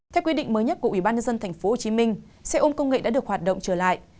theo quy định mới nhất của ubnd tp hcm xe ôm công nghệ đã được hoạt động trở lại